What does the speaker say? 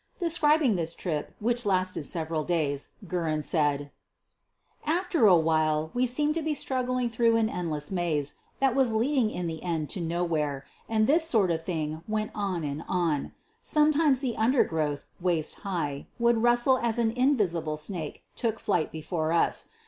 Describing this trip, which lasted several days, Guerin said: QUEEN OF THE BURGLARS 87 "After a while we seemed to be struggling through an endless maze, that was leading in the end to nowhere, and this sort of thing went on and on. Sometimes the undergrowth, waist high, would rustle as an invisible snake took flight before us.